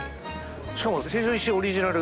しかも成城石井オリジナル